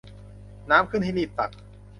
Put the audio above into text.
น้ำขึ้นให้รีบตัก